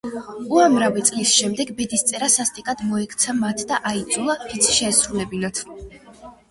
უამრავი წლის შემდეგ ბედისწერა სასტიკად მოექცა მათ და აიძულა, ფიცი შეესრულებინათ.